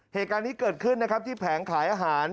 เหตุการณ์นี้เกิดขึ้นนะครับที่แผงขายอาหาร